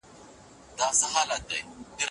په مرګ کي هیڅ ویره نسته.